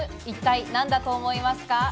一体何だと思いますか？